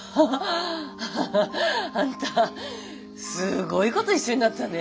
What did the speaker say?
アハハあんたすごい子と一緒になったね。